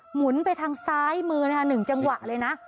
หมุนไปทางซ้ายมือเดียว๓นึงจังหวะเลยน่ะ